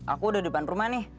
aku udah depan rumah nih